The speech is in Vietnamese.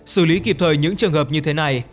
xử lý kịp thời những trường hợp như thế này